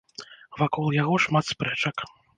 Вакол яго шмат спрэчак.